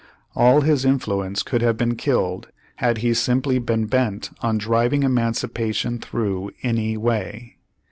All his influence could have been killed had he simply been bent on driving emancipation through any way.